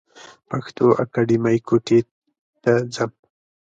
پښتو اکېډمۍ کوټي ته ځم.